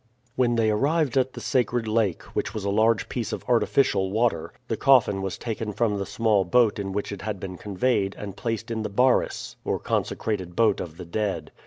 When they arrived at the sacred lake, which was a large piece of artificial water, the coffin was taken from the small boat in which it had been conveyed and placed in the baris, or consecrated boat of the dead.